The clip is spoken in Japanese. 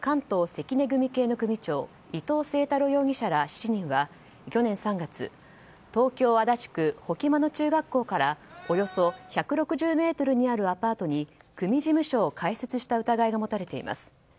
関東関根組系の組長伊藤征太郎容疑者ら７人は去年３月、東京・足立区保木間の中学校からおよそ１６０ｍにあるアパートに組事務所を開設した疑いが持たれています。